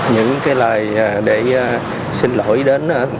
những cái lời để xin lỗi đến